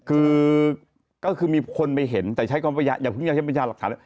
คือก็คือมีคนไปเห็นแต่ใช้ความพยายามอย่าเพิ่งอยากใช้เป็นพยานหลักฐาน